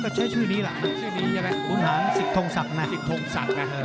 ก็ใช้ชื่อนี้ล่ะขุนหานศิษย์ทองศักดิ์นะ